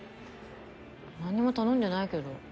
何も頼んでないけど。